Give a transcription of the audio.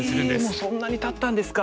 もうそんなにたったんですか。